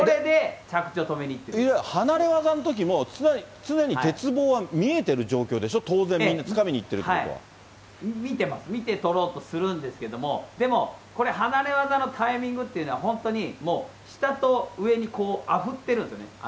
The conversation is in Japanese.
いわゆる離れ技のときも、常に鉄棒は見えてる状況でしょ、当然、みんな、つかみにいってる見てます、見て取ろうとするんですけど、でも、これ、離れ技のタイミングっていうのは、本当にもう、下と上にあふってるんですよね。